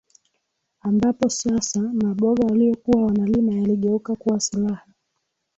ambapo sasa maboga waliyokuwa wanalima yaligeuka kuwa silaha